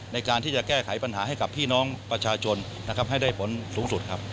ในการที่จะแก้ไขปัญหาให้กับพี่น้องประชาชนนะครับให้ได้ผลสูงสุดครับ